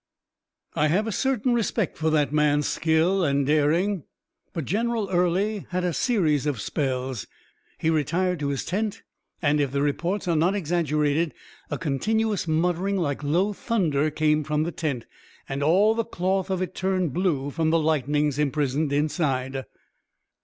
"I have a certain respect for that man's skill and daring, but General Early had a series of spells. He retired to his tent and if the reports are not exaggerated, a continuous muttering like low thunder came from the tent, and all the cloth of it turned blue from the lightnings imprisoned inside."